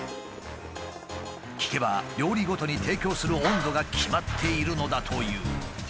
聞けば料理ごとに提供する温度が決まっているのだという。